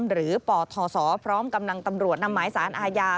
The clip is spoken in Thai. ปทศพร้อมกำลังตำรวจนำหมายสารอาญา